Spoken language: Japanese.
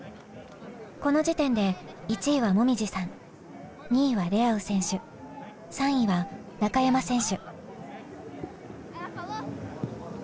この時点で１位はもみじさん２位はレアウ選手３位は中山選手。